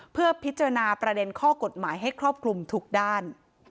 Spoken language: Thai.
เพื่อพิจารณาประเด็นข้อกฎหมายให้ครอบคลุมทุกด้าน